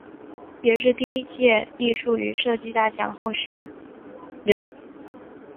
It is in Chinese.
也是第一届艺术与设计大奖赛候选人。